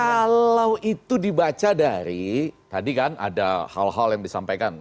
kalau itu dibaca dari tadi kan ada hal hal yang disampaikan